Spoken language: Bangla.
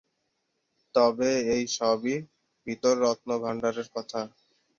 তবে, এই সবই ‘ভিতর রত্নভাণ্ডার’-এর কথা।